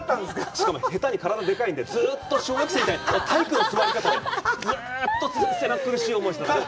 しかも、下手に体がでかいんで、ずっと小学生みたいに、体育の座り方で狭苦しい入り方してました。